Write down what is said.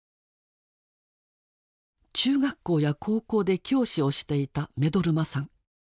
中学校や高校で教師をしていた目取真さん。